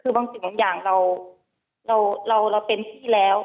คือบางสิ่งบางอย่างเราเต็มที่แล้ว